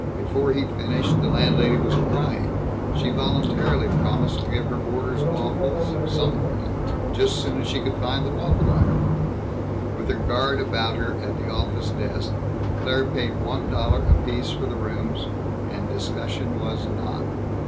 Before he finished, the landlady was crying ... she voluntarily promised to give her boarders waffles, some morning, jus' soon as she could find the waffle iron. With her guard about her, at the office desk, Claire paid one dollar apiece for the rooms, and discussion was not.